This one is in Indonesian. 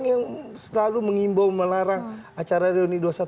yang selalu mengimbau melarang acara reuni dua ratus dua belas